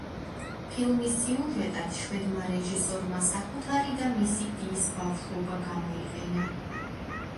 ფილმის სიუჟეტად შვედმა რეჟისორმა საკუთარი და მისი დის ბავშვობა გამოიყენა.